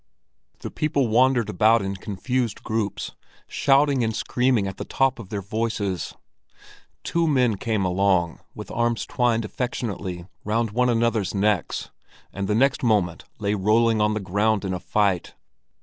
The people wandered about in confused groups, shouting and screaming at the top of their voices. Two men came along with arms twined affectionately round one another's necks, and the next moment lay rolling on the ground in a fight.